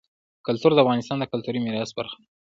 کلتور د افغانستان د کلتوري میراث برخه ده.